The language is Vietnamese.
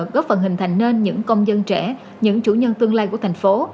góp phần hình thành nên những công dân trẻ những chủ nhân tương lai của thành phố